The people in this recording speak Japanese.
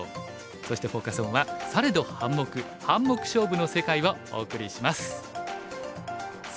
そしてフォーカス・オンは「されど『半目』『半目』勝負の世界」をお送りします。